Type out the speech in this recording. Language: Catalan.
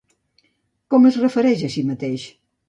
Com es refereix a si mateix?